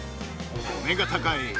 お目が高い。